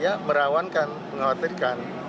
ya merawankan mengkhawatirkan